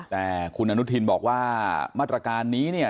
แต่คุณอนุทินบอกว่ามาตรการนี้เนี่ย